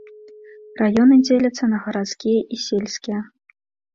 Раёны дзеляцца на гарадскія і сельскія.